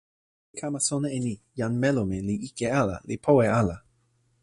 mi kama sona e ni: jan melome li ike ala, li powe ala.